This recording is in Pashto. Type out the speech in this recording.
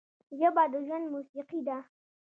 ژبه د ژوند موسیقي ده